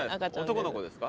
男の子ですか？